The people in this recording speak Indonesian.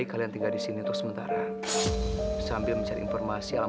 kayak kayak spesial nada saya